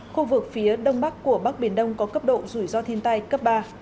khu vực phía đông bắc của bắc biển đông có cấp độ rủi ro thiên tai cấp ba